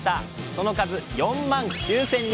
その数４万９，０００人。